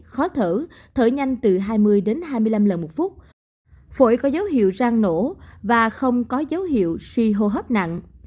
khó thở thở nhanh từ hai mươi đến hai mươi năm lần một phút phổi có dấu hiệu rang nổ và không có dấu hiệu suy hô hấp nặng